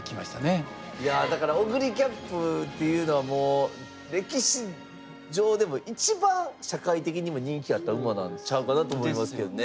いやだからオグリキャップっていうのはもう歴史上でも一番社会的にも人気あった馬なんちゃうかなと思いますけどね。